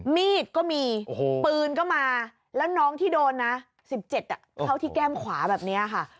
มีดก็มีปืนก็มาแล้วน้องที่โดนนะ๑๗เข้าที่แก้มขวาแบบนี้ค่ะ